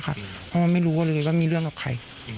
เพราะว่าไม่รู้เลยว่ามีเรื่องกับใคร